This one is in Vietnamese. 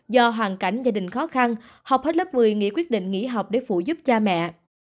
do hoàn cảnh gia đình khó khăn học hết lớp một mươi nghỉ quyết định nghỉ học để phụ giúp cha mẹ